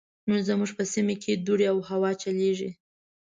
نن زموږ په سيمه کې دوړې او هوا چليږي.